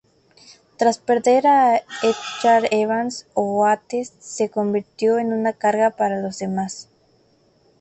Tras perder a Edgar Evans, Oates se convirtió en una carga para los demás.